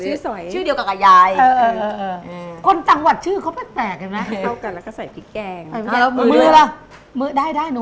มื้อได้หนูได้ไหนก็ได้ไหน